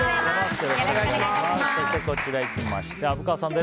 よろしくお願いします。